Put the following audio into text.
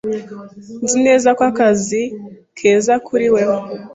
Nzi neza ko aka kazi keza kuri wewe.